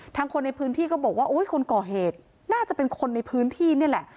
คนในพื้นที่ก็บอกว่าโอ้ยคนก่อเหตุน่าจะเป็นคนในพื้นที่นี่แหละ